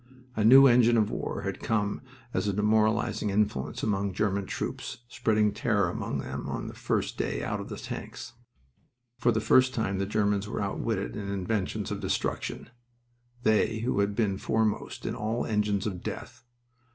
A new engine of war had come as a demoralizing influence among German troops, spreading terror among them on the first day out of the tanks. For the first time the Germans were outwitted in inventions of destruction; they who had been foremost in all engines of death.